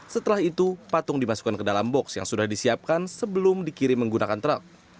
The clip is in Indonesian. setelah itu patung dimasukkan ke dalam box yang sudah disiapkan sebelum dikirim menggunakan truk